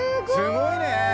すごいね！